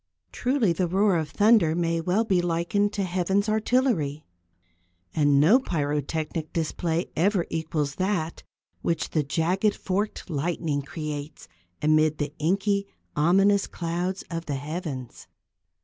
Truly the roar of the thunder may well be likened to Heaven's artillery, and no pyrotechnic display ever equals that which the jagged, forked lightning creates amid the inky, ominous clouds of the heavens.